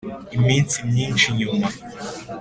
iminsi myinshi nyuma.